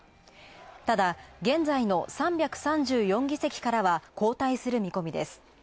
ただ現在の３３４議席からは後退する見込みです。